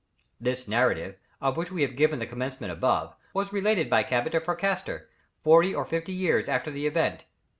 This narrative, of which we have given the commencement above, was related by Cabot to Fracastor, forty or fifty years after the event.